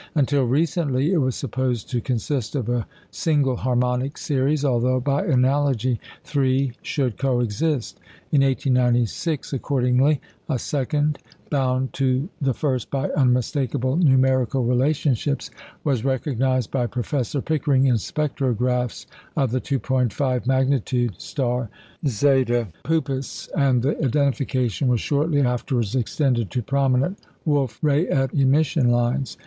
Until recently, it was supposed to consist of a single harmonic series, although, by analogy, three should co exist. In 1896, accordingly, a second, bound to the first by unmistakable numerical relationships, was recognised by Professor Pickering in spectrographs of the 2·5 magnitude star Zeta Puppis, and the identification was shortly afterwards extended to prominent Wolf Rayet emission lines.